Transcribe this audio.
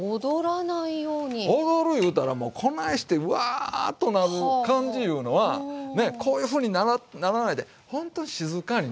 踊るいうたらもうこないしてウワーッとなる感じいうのはねこういうふうにならないでほんと静かにね